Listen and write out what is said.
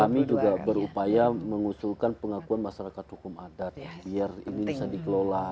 kami juga berupaya mengusulkan pengakuan masyarakat hukum adat biar ini bisa dikelola